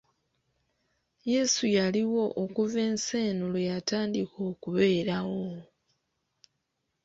Yeesu yaliwo okuva ensi eno lwe yatandika okubeerawo.